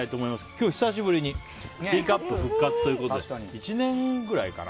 今日、久しぶりにティーカップ復活ということで１年ぐらいかな？